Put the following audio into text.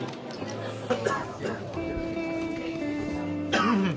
うん。